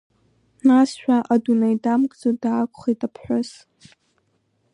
Насшәа адунеи дамкӡо даақәхеит аԥҳәыс.